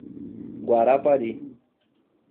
Guarapari